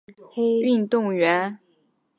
虞朝鸿是中国竞走运动员。